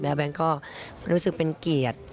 แบงค์ก็รู้สึกเป็นเกียรติ